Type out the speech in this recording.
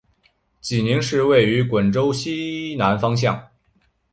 济宁市位于兖州的西南方向。